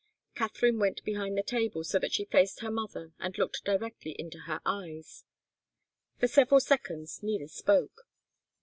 Katharine went behind the table, so that she faced her mother and looked directly into her eyes. For several seconds neither spoke.